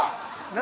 何？